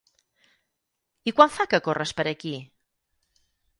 I quan fa que corres per aquí?